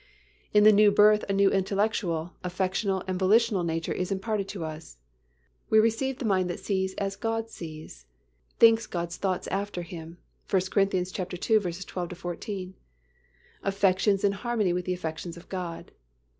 In the new birth a new intellectual, affectional and volitional nature is imparted to us. We receive the mind that sees as God sees, thinks God's thoughts after Him (1 Cor. ii. 12 14); affections in harmony with the affections of God.